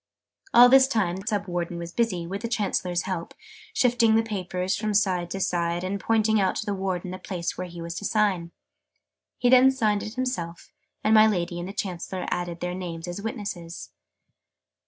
All this time the Sub Warden was busy, with the Chancellor's help, shifting the papers from side to side, and pointing out to the Warden the place whew he was to sign. He then signed it himself, and my Lady and the Chancellor added their names as witnesses.